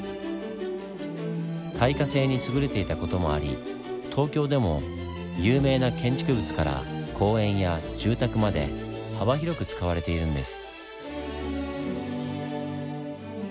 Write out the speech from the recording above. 耐火性に優れていた事もあり東京でも有名な建築物から公園や住宅まで幅広く使われているんです。